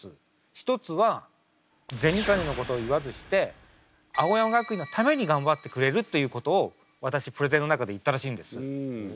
１つは銭金のことを言わずして青山学院のためにがんばってくれるということを私プレゼンの中で言ったらしいんです。